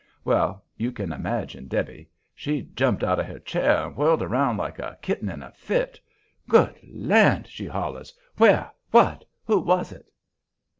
Well, you can imagine Debby. She jumped out of her chair and whirled around like a kitten in a fit. "Good land!" she hollers. "Where? What? Who was it?"